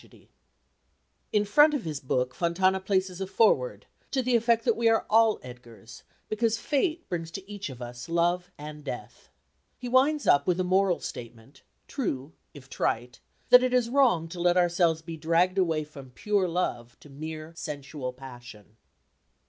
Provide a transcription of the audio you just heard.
[Illustration: PUCCINI IN HIS STUDY AT TORRE DEL LAGO] In front of his book Fontana places a foreword to the effect that we are all Edgars, because fate brings to each of us love and death. He winds up with a moral statement, true if trite, that it is wrong to let ourselves be dragged away from pure love to mere sensual passion.